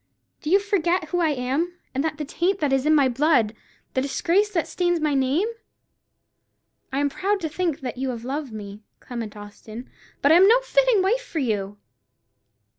Do you forget who I am, and the taint that is in my blood; the disgrace that stains my name? I am proud to think that you have loved me, Clement Austin; but I am no fitting wife for you!"